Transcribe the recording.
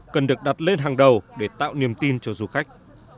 cần được đặt lên hàng đầu để tạo niềm tin cho du khách